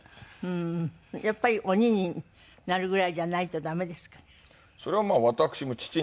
やっぱり鬼になるぐらいじゃないと駄目ですかね？